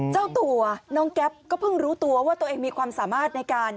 เจ้าตัวน้องแก๊ปก็เพิ่งรู้ตัวว่าตัวเองมีความสามารถในการ